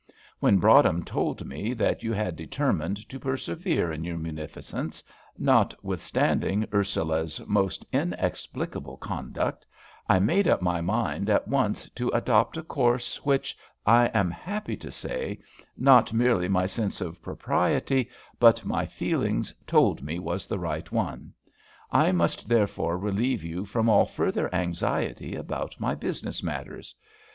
When Broadhem told me that you had determined to persevere in your munificence, notwithstanding Ursula's most inexplicable conduct, I made up my mind at once to adopt a course which, I am happy to say, not merely my sense of propriety but my feelings told me was the right one. I must therefore relieve you from all further anxiety about my business matters.